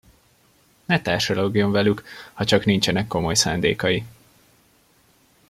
Ne társalogjon velük, hacsak nincsenek komoly szándékai.